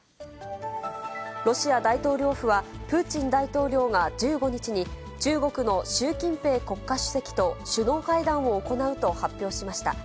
ロシア大統領府は、プーチン大統領が１５日に、中国の習近平国家主席と首脳会談を行うと発表しました。